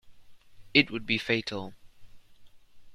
It would be fatal.